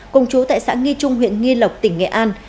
cùng chú tại xã nghi trung huyện nghi lộc tỉnh nghệ an